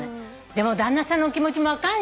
でも旦那さんの気持ちも分かる。